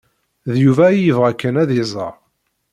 D Yuba ay yebɣa Ken ad iẓer.